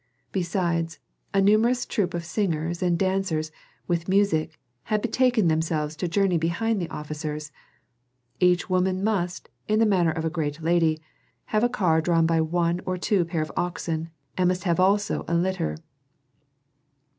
Besides, a numerous troop of singers and dancers, with music, had betaken themselves to journey behind the officers; each woman must, in the manner of a great lady, have a car drawn by one or two pair of oxen, and must have also a litter.